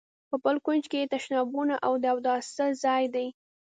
په بل کونج کې یې تشنابونه او د اوداسه ځای دی.